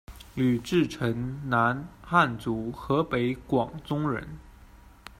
吕志成，男，汉族，河北广宗人。